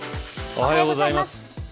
おはようございます。